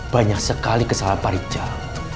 banyak sekali kesalahan pak rijal